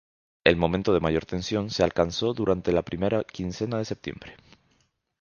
El momento de mayor tensión se alcanzó durante la primera quincena de septiembre.